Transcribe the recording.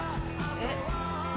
えっ。